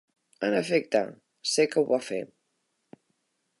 En efecte, sé que ho va fer.